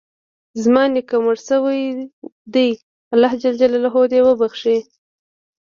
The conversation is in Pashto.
زما نیکه مړ شوی ده، الله ج د وبښي